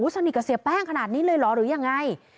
สนิทกับเสียแป้งขนาดนี้เลยเหรอหรือยังไง